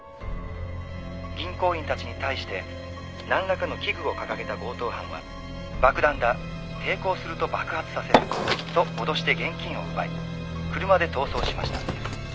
「銀行員たちに対してなんらかの器具を掲げた強盗犯は“爆弾だ抵抗すると爆発させる”と脅して現金を奪い車で逃走しました」